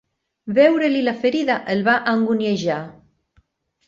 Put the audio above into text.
Veure-li la ferida el va anguniejar.